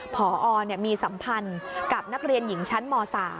พอมีสัมพันธ์กับนักเรียนหญิงชั้นม๓